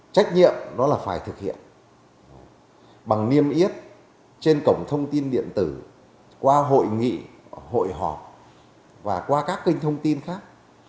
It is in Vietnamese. trách nhiệm đó là phải thực hiện bằng niêm yết trên cổng thông tin điện tử qua hội nghị hội họp và qua các kênh thông tin khác